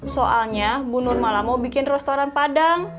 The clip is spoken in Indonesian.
soalnya bu nur malah mau bikin restoran padang